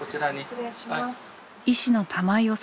失礼します。